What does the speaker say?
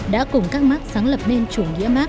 đã cùng các mark sáng lập nên chủ nghĩa mark